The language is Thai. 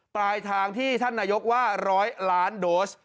ปลายทางที่ท่านนายกว่า๑๐๐ล้านโดส